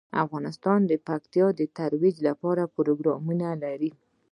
افغانستان د پکتیا د ترویج لپاره پروګرامونه لري.